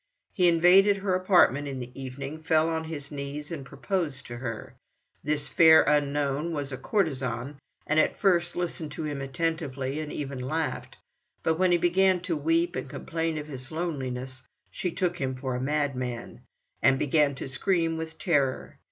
He invaded her apartment in the evening, fell on his knees and proposed to her. This fair unknown was a courtesan, and at first listened to him attentively and even laughed, but when he began to weep and complain of his loneliness, she took him for a madman, and began to scream with terror.